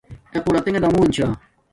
اݺ قرتݵݣݺ دمݸن چھݳ.